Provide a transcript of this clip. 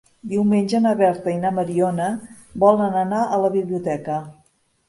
Diumenge na Berta i na Mariona volen anar a la biblioteca.